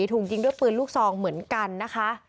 ถูกยิงด้วยปืนลูกซองเหมือนกันนะคะ